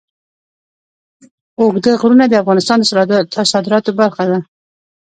اوږده غرونه د افغانستان د صادراتو برخه ده.